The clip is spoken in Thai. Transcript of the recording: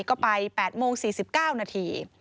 ก็ไป๘โมง๔๙นาที